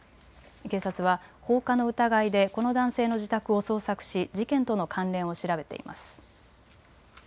警察は放火の疑いでこの男性の自宅を捜索し事件との関連を調べています。